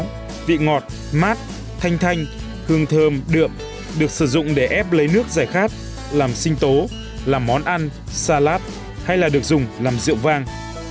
nhò thần gỗ vị ngọt mát thanh thanh hương thơm đượm được sử dụng để ép lấy nước giải khát làm sinh tố làm món ăn salad hay là được dùng làm rượu vang